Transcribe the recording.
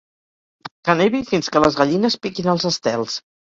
Que nevi fins que les gallines piquin els estels.